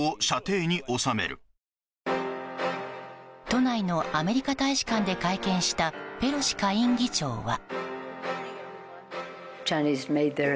都内のアメリカ大使館で会見したペロシ下院議長は。